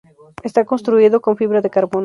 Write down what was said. Está construido con fibra de carbono.